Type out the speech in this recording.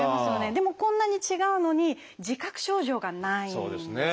でもこんなに違うのに自覚症状がないんです。